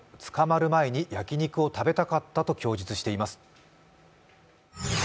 捕まる前に焼き肉を食べたかったと供述しています。